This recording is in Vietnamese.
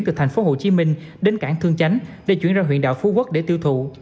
từ thành phố hồ chí minh đến cảng thương chánh để chuyển ra huyện đảo phú quốc để tiêu thụ